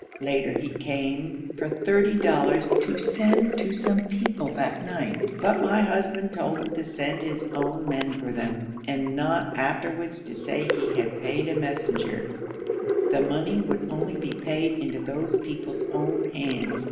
Later he came for thirty dollars to send to some people that night, but my husband told him to send his own men for them, and not afterwards to say he had paid a messenger; the money would only be paid into those people's own hands.